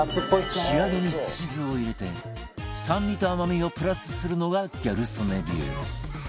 仕上げにすし酢を入れて酸味と甘みをプラスするのがギャル曽根流